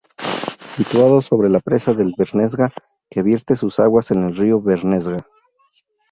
Situado sobre la Presa del Bernesga que vierte sus aguas al Río Bernesga.